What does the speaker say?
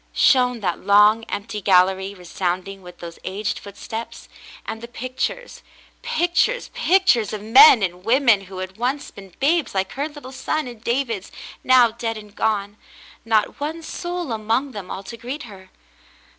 Shown that long,^ empty gallery resounding with those aged footsteps, and the pic tures — pictures — pictures — of men and women who had once been babes like her little son and David's, now dead and gone — not one soul among them all to greet her.